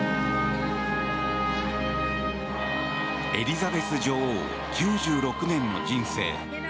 エリザベス女王９６年の人生。